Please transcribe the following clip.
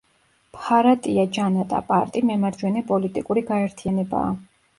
ბჰარატია ჯანატა პარტი მემარჯვენე პოლიტიკური გაერთიანებაა.